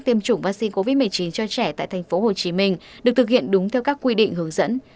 tiêm chủng vaccine covid một mươi chín cho trẻ tại tp hcm được thực hiện đúng theo các quy định hướng dẫn